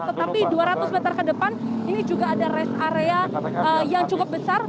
tetapi dua ratus meter ke depan ini juga ada rest area yang cukup besar